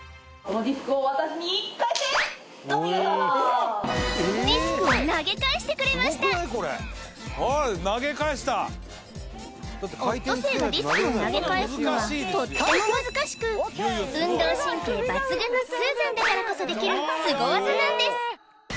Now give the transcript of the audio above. お見事ディスクを投げ返してくれましたオットセイがディスクを投げ返すのはとっても難しく運動神経抜群のスーザンだからこそできるスゴ技なんです